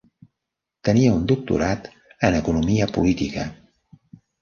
Tenia un doctorat en economia política.